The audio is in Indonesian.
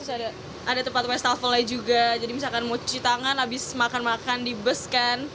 ada tempat tempat yang staffel nya juga jadi misalkan mau cuci tangan abis makan makan di bus kan